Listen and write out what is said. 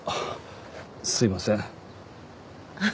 すいません。